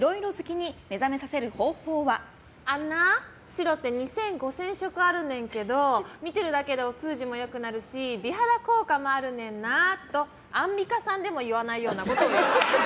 あんな、白って２５００色あんねんけど見てるだけでお通じも良くなるし美肌効果もあるねんなとアンミカさんでも言わないようなことを言う。